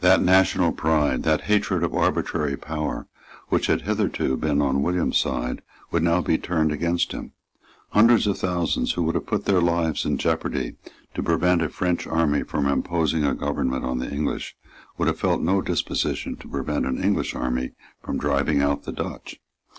That national pride, that hatred of arbitrary power, which had hitherto been on William's side, would now be turned against him. Hundreds of thousands who would have put their lives in jeopardy to prevent a French army from imposing a government on the English, would have felt no disposition to prevent an English army from driving out the Dutch.